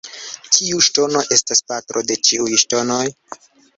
Kiu ŝtono estas patro de ĉiuj ŝtonoj?